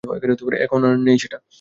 এখন আর নেই সেটা।